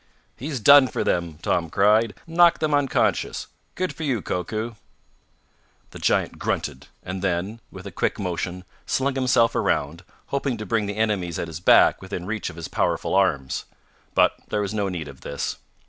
"He's done for them!" Tom cried. "Knocked them unconscious. Good for you, Koku!" The giant grunted, and then, with a quick motion, slung himself around, hoping to bring the enemies at his back within reach of his powerful arms. But there was no need of this.